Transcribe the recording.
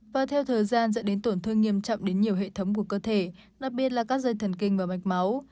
và theo thời gian dẫn đến tổn thương nghiêm trọng đến nhiều hệ thống của cơ thể đặc biệt là các dây thần kinh và mạch máu